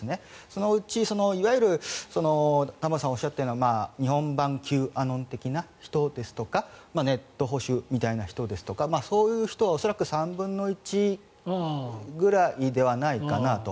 そのうちいわゆる玉川さんがおっしゃったような日本版Ｑアノン的な人ですとかネット保守みたいな人ですとかそういう人は恐らく３分の１ぐらいではないかなと。